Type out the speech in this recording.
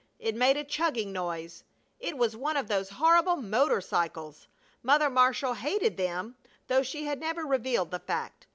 It made a chugging noise. It was one of those horrible motor cycles. Mother Marshall hated them, though she had never revealed the fact.